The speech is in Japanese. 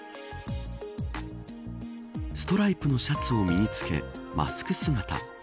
ストライプのシャツを身につけマスク姿。